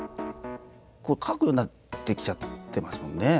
書くようになってきちゃってますもんね。